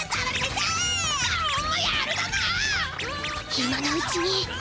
今のうちに。